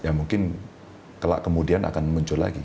ya mungkin kelak kemudian akan muncul lagi